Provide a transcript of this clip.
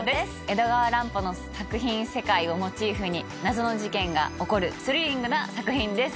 江戸川乱歩の作品世界をモチーフに謎の事件が起こるスリリングな作品です。